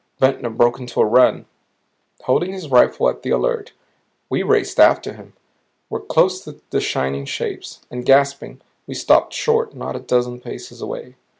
Ventnor broke into a run, holding his rifle at the alert. We raced after him; were close to the shining shapes. And, gasping, we stopped short not a dozen paces away.